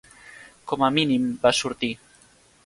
Com a mínim, va sortir.